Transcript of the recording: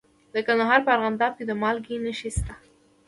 د کندهار په ارغنداب کې د مالګې نښې شته.